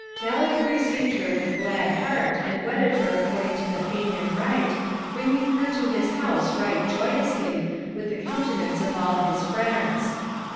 Malakin received her with a glad heart, and wedded her according to the Paynim rite, bringing her to his house right joyously, with the countenance of all his friends.